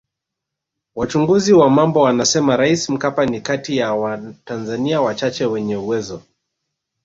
Wachunguzi wa mambo wanasema Rais Mkapa ni kati ya watanzania wachache wenye uwezo